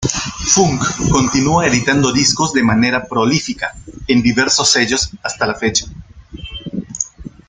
Funk continúa editando discos de manera prolífica en diversos sellos hasta la fecha.